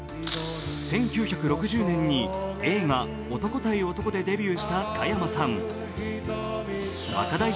１９６０年に映画「男対男」でデビューした加山さん。